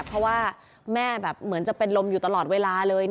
เพราะว่าแม่แบบเหมือนจะเป็นลมอยู่ตลอดเวลาเลย